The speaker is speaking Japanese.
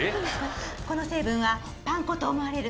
この成分はパン粉と思われる。